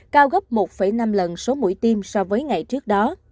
cao gấp một năm lần số mũi tiêm so với ngày trước đó